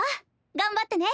頑張ってね。